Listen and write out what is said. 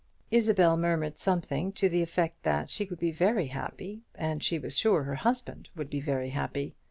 Isabel murmured something to the effect that she would be very happy, and she was sure her husband would be very happy.